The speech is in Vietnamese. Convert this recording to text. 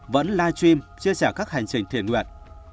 vẫn live stream chia sẻ các hành trình thiền nguyện